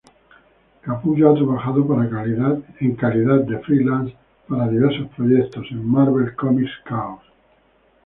Capullo ha trabajado en calidad de freelance para diversos proyectos en: Marvel Comics Chaos!